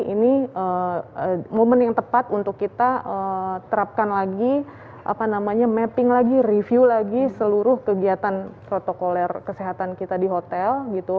ini momen yang tepat untuk kita terapkan lagi mapping lagi review lagi seluruh kegiatan protokol kesehatan kita di hotel